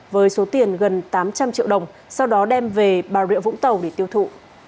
với số tiền gần tám trăm linh triệu đồng sau đó đem về bà rịa vũng tàu để tiêu thụ